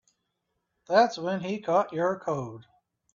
That's when he caught your cold.